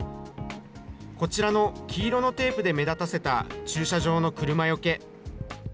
こちらの黄色のテープで目立たせた、駐車場の車よけ。